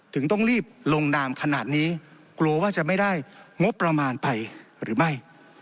ต้องรีบลงนามขนาดนี้กลัวว่าจะไม่ได้งบประมาณไปหรือไม่